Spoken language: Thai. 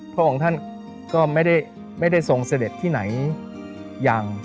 พวกท่านก็ไม่ได้ส่งเสด็จที่ไหนอย่าง